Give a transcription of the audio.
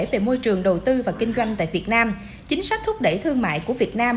về môi trường đầu tư và kinh doanh tại việt nam chính sách thúc đẩy thương mại của việt nam